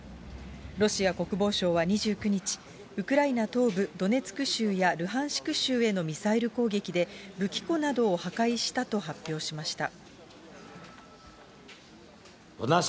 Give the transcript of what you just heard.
ロシア国防省は２９日、ウクライナ東部ドネツク州やルハンシク州へのミサイル攻撃で、武器庫などを破壊したと発表しました。